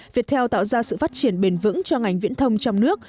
việt theo tạo ra sự phát triển bền vững cho ngành viễn thông trong nước